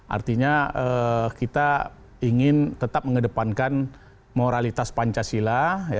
artinya kita ingin tetap mengedepankan moralitas pancasila